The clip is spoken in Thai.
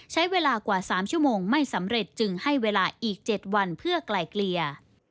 ใช้เวลากว่า๓ชั่วโมงไม่สำเร็จจึงให้เวลาอีก๗วันเพื่อไกลเกลี่ย